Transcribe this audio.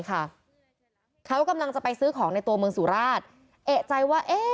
เขากำลังจะไปซื้อของในตัวเมืองสุราชเอกใจว่าเอ๊ะ